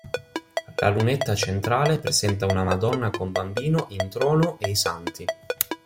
La lunetta centrale presenta una Madonna con Bambino in trono e i Ss.